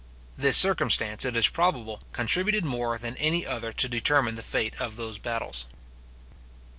This circumstance, it is probable, contributed more than any other to determine the fate of those battles.